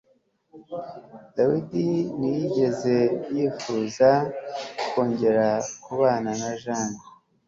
David ntiyigeze yifuza kongera kubona Jane